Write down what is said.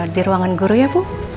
di ruangan guru ya bu